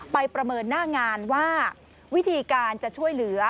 ประเมินหน้างานว่าวิธีการจะช่วยเหลือ